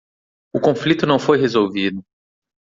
O conflito não foi resolvido.